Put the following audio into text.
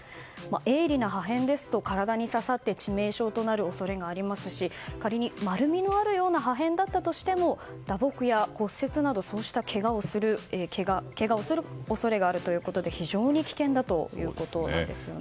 鋭利な破片ですと体に刺さって致命傷となる恐れがありますし仮に、丸みのあるような破片だったとしても打撲や骨折などのけがをする恐れがあるということで非常に危険だということですよね。